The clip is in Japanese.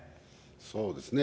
そうですね。